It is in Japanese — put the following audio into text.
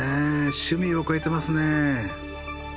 趣味を超えてますね。